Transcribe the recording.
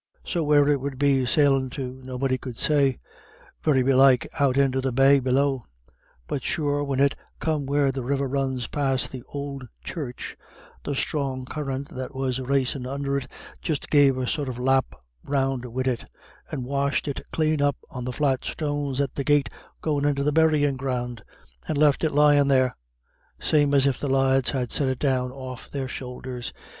So where it would be sailin' to nobody could say; very belike out into the bay below. But sure when it come where the river runs past th' ould church, the strong current that was racin' under it just gave a sort of lap round wid it, and washed it clane up on the flat stones at the gate goin' into the buryin' ground, and left it lyin' there, same as if the lads had set it down off their shoulders.